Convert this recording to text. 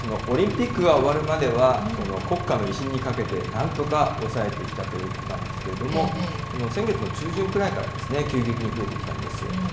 オリンピックが終わるまでは、国家の威信にかけて、なんとか抑えてきたということなんですけれども、先月の中旬ぐらいから急激に増えてきたんです。